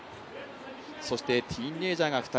そして、ティーンエイジャーが２人。